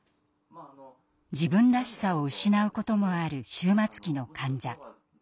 自分らしさを失うこともある終末期の患者。